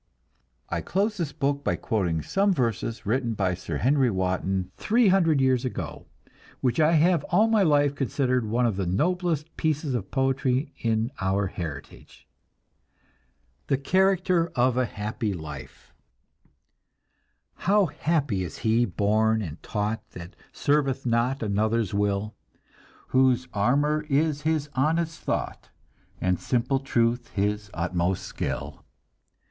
I close this book by quoting some verses written by Sir Henry Wotton three hundred years ago, which I have all my life considered one of the noblest pieces of poetry in our heritage: THE CHARACTER OF A HAPPY LIFE How happy is he born and taught That serveth not another's will; Whose armour is his honest thought And simple truth his utmost skill!